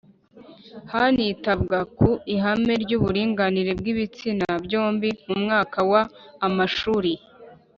hanitabwa ku ihame ry uburinganire bw ibitsina byombi Mu mwaka wa amashuri